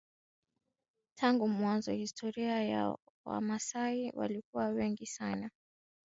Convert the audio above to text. Tangu mwanzo historia ya wamasai walikuwa wengi sana maeneo ya nyanda za juu Kenya